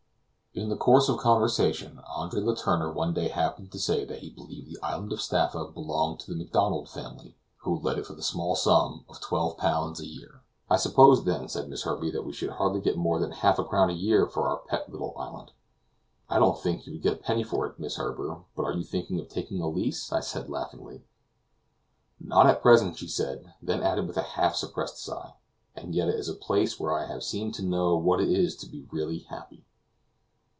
In the course of conversation, Andre Letourneur one day happened to say that he believed the island of Staffa belonged to the Macdonald family, who let it for the small sum of L.12 a year. "I suppose then," said Miss Herbey, "that we should hardly get more than half a crown a year for our pet little island." "I don't think you would get a penny for it. Miss Herbey; but are you thinking of taking a lease?" I said laughing. "Not at present," she said; then added, with a half suppressed sigh, "and yet it is a place where I have seemed to know what it is to be really happy."